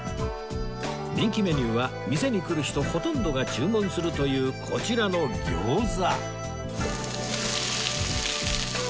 人気メニューは店に来る人ほとんどが注文するというこちらの餃子